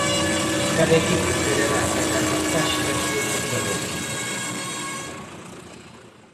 Cada equipo quererá sacar vantaxe da súa fortaleza.